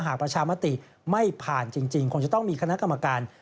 ประชามติไม่ผ่านจริงคงจะต้องมีคณะกรรมการ